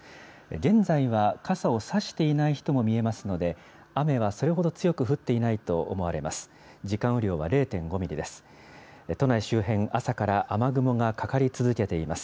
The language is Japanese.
現在は傘を差していない人も見えますので、雨はそれほど強く降っていないと思われます。